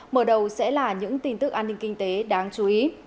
mở đầu sẽ là những tin tức an ninh kinh tế đáng chú ý